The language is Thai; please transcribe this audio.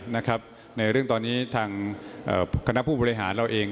ในเรื่องตอนนี้ทางคณะผู้บริหารเราเอง